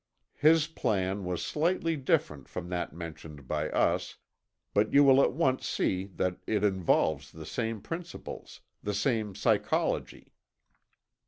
His plan was slightly different from that mentioned by us, but you will at once see that it involves the same principles the same psychology.